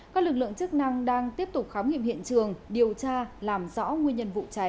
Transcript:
các lực lượng chức năng đang tiếp tục khám nghiệm hiện trường điều tra làm rõ nguyên nhân vụ cháy